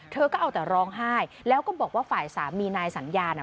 เธอก็เอาแต่ร้องไห้แล้วก็บอกว่าฝ่ายสามีนายสัญญาน่ะ